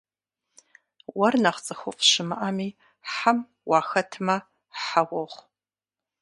Уэр нэхъ цӏыхуфӏ щымыӏэми - хьэм уахэтмэ, хьэ уохъу.